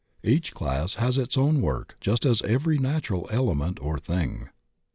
Each class has its own work just as has every natural element or thing.